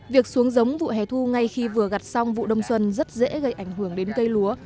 việc xuống giống vụ hè thu ngay khi vừa gặt xong vụ đông xuân rất dễ gây ảnh hưởng đến cây lúa